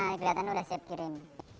nah kelihatan udah siap kirim